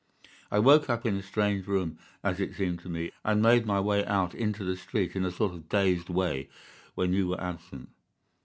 I woke up in a strange room, as it seemed to me, and made my way out into the street in a sort of dazed way when you were absent.